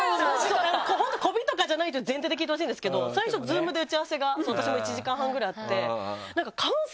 本当媚とかじゃないという前提で聞いてほしいんですけど最初Ｚｏｏｍで打ち合わせが私も１時間半ぐらいあって。